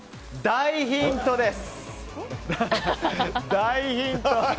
大ヒントです。